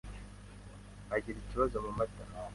bagira ikibazo ku mata